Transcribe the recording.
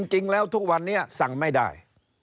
จริงแล้วทุกวันนี้สั่งไม่ได้